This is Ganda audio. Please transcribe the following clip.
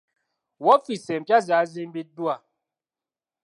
Woofiisi empya zaazimbiddwa.